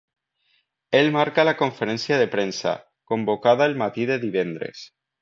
El marca la conferència de premsa, convocada el matí de divendres.